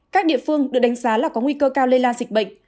các địa phương được đánh giá là có nguy cơ cao lây lan dịch bệnh